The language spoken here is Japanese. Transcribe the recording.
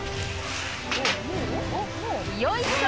よいしょ！